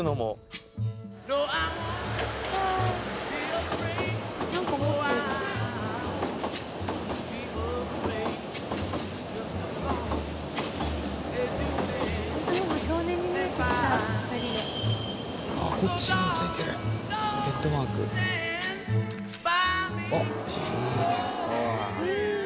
岡安：いいですね。